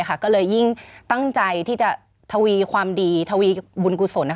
ก็เลยยิ่งตั้งใจที่จะทวีความดีทวีบุญกุศล